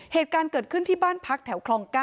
เหตุการณ์เกิดขึ้นที่บ้านพักแถวคลอง๙